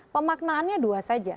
pemaknaannya dua saja